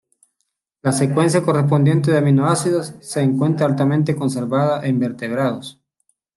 La secuencia correspondiente de aminoácidos, se encuentra altamente conservada en vertebrados.